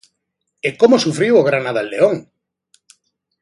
E como sufriu o Granada en León!